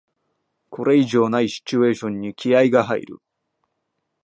これ以上ないシチュエーションに気合いが入る